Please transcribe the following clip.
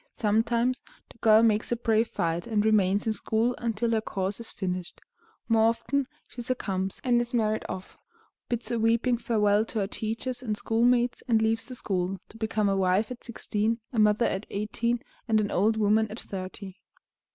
Sometimes the girl makes a brave fight, and remains in school until her course is finished; more often she succumbs and is married off, bids a weeping farewell to her teachers and schoolmates, and leaves the school, to become a wife at sixteen, a mother at eighteen, and an old woman at thirty.